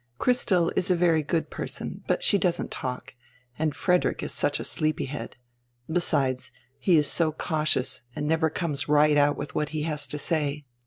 Christel is a very good per son, but she doesn't talk, and Frederick is such a sleepy head. Besides, he is so cautious and never comes right out with what he has to say.